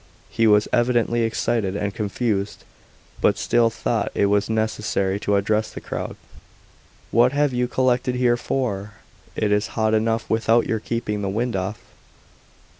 He was evidently excited and confused, but still thought it necessary to address the crowd. "What have you collected here for? It is hot enough without your keeping the wind off."